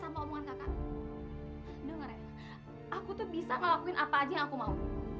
dengar ya aku tuh bisa ngelakuin apa aja yang aku mau